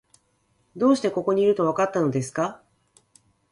どうしてここにいると、わかったのですか？